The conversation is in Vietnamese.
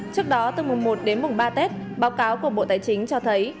trước đó từ mùng một đến mùng ba tết báo cáo của bộ tài chính cho thấy